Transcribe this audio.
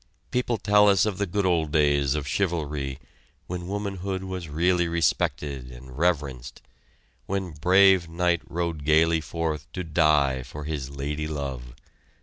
People tell us of the good old days of chivalry when womanhood was really respected and reverenced when brave knight rode gaily forth to die for his lady love.